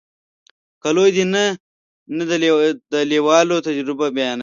که لوی دی نو د لویوالي تجربه بیانوي.